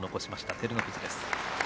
照ノ富士です。